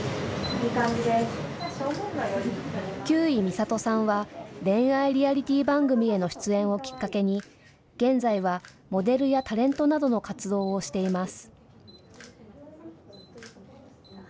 休井美郷さんは恋愛リアリティー番組への出演をきっかけに現在はモデルやタレントなどの活動などをしています。